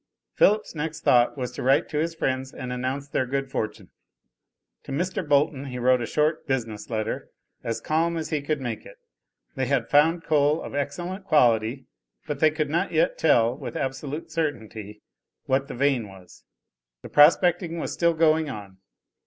Philip's next thought was to write to his friends and announce their good fortune. To Mr. Bolton he wrote a short, business letter, as calm as he could make it. They had found coal of excellent quality, but they could not yet tell with absolute certainty what the vein was. The prospecting was still going on.